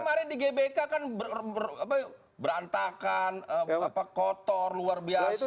kemarin di gbk kan berantakan kotor luar biasa